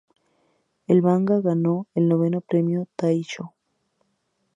El manga ganó el noveno premio Taishō.